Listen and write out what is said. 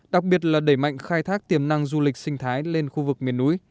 đặc biệt là đẩy mạnh khai thác tiềm năng du lịch sinh thái lên khu vực miền núi